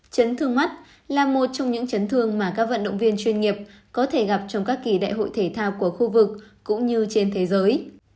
chấn thương mắt là một trong những chấn thương mà các vận động viên chuyên nghiệp có thể gặp trong các kỳ đại hội thể thao của khu vực cũng như trên thế giới